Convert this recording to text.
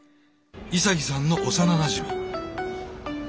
潔さんの幼なじみ。